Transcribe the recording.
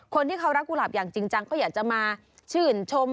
คนที่เขารักกุหลาบอย่างจริงจังก็อยากจะมาชื่นชม